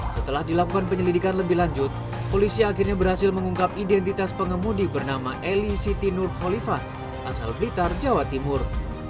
setelah dilakukan penyelidikan lebih lanjut polisi akhirnya berhasil mengungkap identitas pengemudi bernama eli siti nurholifah asal blitar jawa timur